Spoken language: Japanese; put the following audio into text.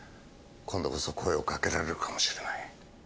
今度こそ声をかけられるかもしれない。